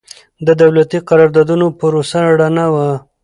د دولتي قراردادونو پروسه رڼه وي.